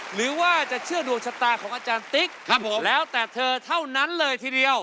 หรือว่าจะเชื่อดวงชะตาของอาจารย์ติ๊กครับผมแล้วแต่เธอเท่านั้นเลยทีเดียว